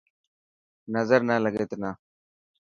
نظر نا لڳي تنا.